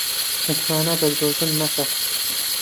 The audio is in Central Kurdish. متمانە بە درۆزن مەکە